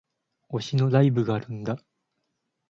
推しのライブがあるんだ